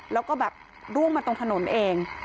แล้วก็แบบร่วงมาตรงถนนเอง